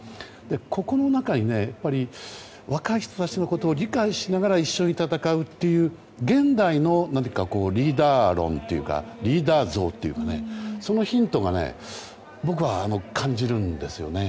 ここの中に若い人たちのことを理解しながら一緒に戦うという現代のリーダー論というかリーダー像というかそのヒントが僕は感じるんですよね。